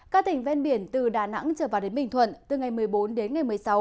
các tỉnh ven biển từ đà nẵng trở vào đến bình thuận từ ngày một mươi bốn đến ngày một mươi sáu